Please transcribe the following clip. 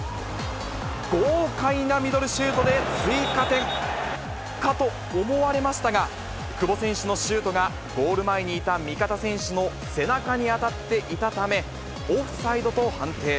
豪快なミドルシュートで追加点、かと思われましたが、久保選手のシュートが、ゴール前にいた味方選手の背中に当たっていたため、オフサイドと判定。